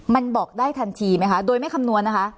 มันบอกได้ทันทีไหมคะโดยไม่คำนวณนะคะ